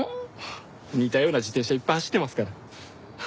似たような自転車いっぱい走ってますから。